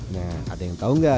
nah ada yang tahu nggak